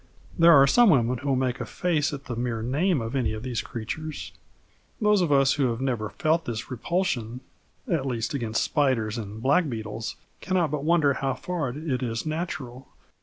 There are some women who will make a face at the mere name of any of these creatures. Those of us who have never felt this repulsion at least, against spiders and blackbeetles cannot but wonder how far it is natural.